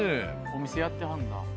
お店やってはるんだ。